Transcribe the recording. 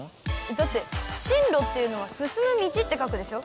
だって進路っていうのは進む路って書くでしょ